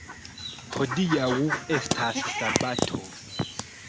Hodiaŭ estas sabato.